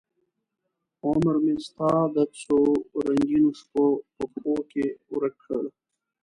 عمرمې ستا د څورنګینوشپو په پښوکې ورک کړ